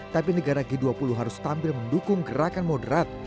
tapi negara g dua puluh harus tampil mendukung gerakan moderat